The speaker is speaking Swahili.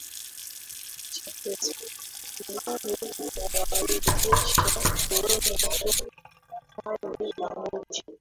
Shakespeare itawawezesha kuona soko la kale la mji